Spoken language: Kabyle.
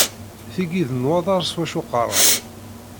Tiyi d nnwaḍer s wacu qqareɣ.